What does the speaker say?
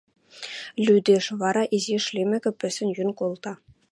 Лӱдеш, вара, изиш лимӹкӹ, пӹсӹн йӱн колта.